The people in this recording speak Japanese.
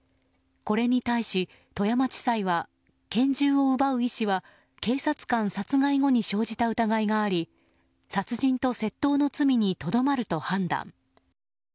これに対し、富山地裁は拳銃を奪う意思は警察官殺害後に生じた疑いがあり殺人と窃盗の罪にとどまると判断。